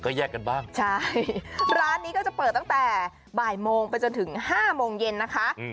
ก็แยกกันบ้างใช่ร้านนี้ก็จะเปิดตั้งแต่บ่ายโมงไปจนถึง๕โมงเย็นนะคะ